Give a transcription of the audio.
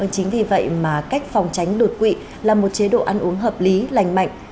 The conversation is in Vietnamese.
chính vì vậy mà cách phòng tránh đột quỵ là một chế độ ăn uống hợp lý lành mạnh